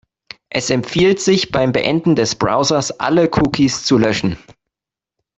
Es empfiehlt sich, beim Beenden des Browsers alle Cookies zu löschen.